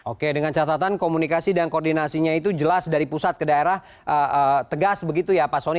oke dengan catatan komunikasi dan koordinasinya itu jelas dari pusat ke daerah tegas begitu ya pak soni